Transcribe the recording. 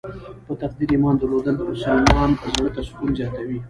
په تقدیر ایمان درلودل د مسلمان زړه ته سکون زیاتوي.